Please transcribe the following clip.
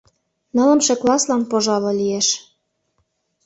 — Нылымше класслан, пожале, лиеш.